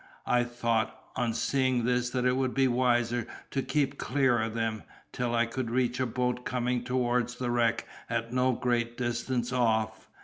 I thought, on seeing this, that it would be wiser to keep clear of them, till I could reach a boat coming towards the wreck at no great distance off.